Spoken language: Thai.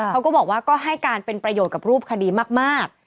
เขาก็บอกว่าก็ให้การเป็นประโยชน์กับรูปคดีมาก